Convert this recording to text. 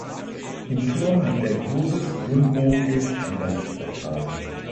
Im Turm liegt ein großes rundbogiges Eingangsportal.